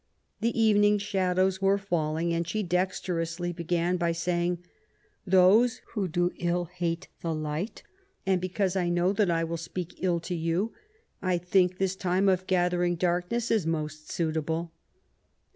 The evening shadows were falling, and she dexterously began by saying: "Those who do ill hate the light; and be cause I know that I will speak ill to you, I think this 94 QUEEN ELIZABETH, time of gathering darkness is most suitable